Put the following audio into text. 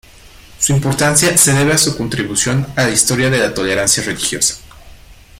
Su importancia se debe a su contribución a la historia de la tolerancia religiosa.